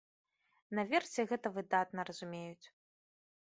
Наверсе гэта выдатна разумеюць.